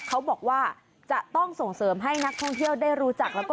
เขาบอกว่าจะต้องส่งเสริมให้นักท่องเที่ยวได้รู้จักแล้วก็